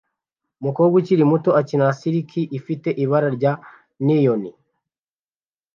Umukobwa ukiri muto akina na Slinky ifite ibara rya neon